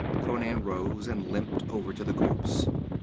Conan rose and limped over to the corpse.